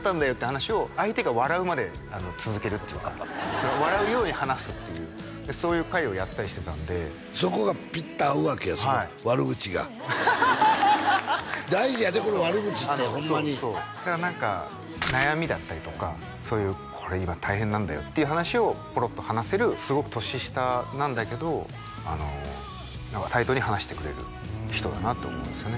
話を相手が笑うまで続けるっていうか笑うように話すっていうそういう会をやったりしてたんでそこがピッタリ合うわけや悪口が大事やでこの悪口ってホンマに何か悩みだったりとかそういうこれ今大変なんだよっていう話をポロッと話せるすごく年下なんだけど対等に話してくれる人だなって思うんですよね